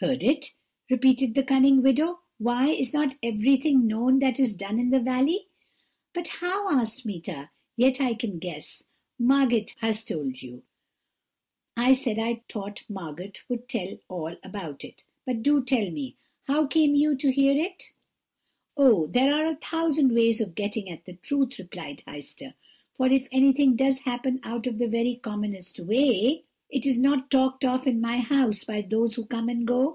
"'Heard it!' repeated the cunning widow; 'why, is not everything known that is done in the valley?' "'But how?' asked Meeta; 'yet I can guess: Margot has told you. I said I thought Margot would tell all about it. But do tell me, how came you to hear it?' "'Oh! there are a thousand ways of getting at the truth,' replied Heister; 'for if anything does happen out of the very commonest way, is it not talked of in my house by those who come and go?